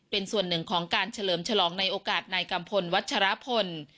เป็นส่วนหนึ่งของการเฉลิมฉลองในโอกาสนายกัมพลวัชรพล